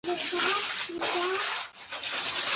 ستاسو له تګ وروسته ما دا توکي دلته راوړل